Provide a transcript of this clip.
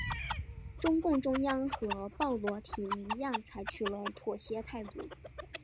中共中央和鲍罗廷一样采取了妥协态度。